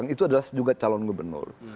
itu adalah juga calon gubernur